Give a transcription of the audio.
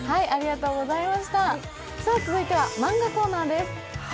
続いてはマンガコーナーです。